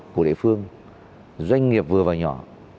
của địa phương doanh nghiệp vừa vào nhỏ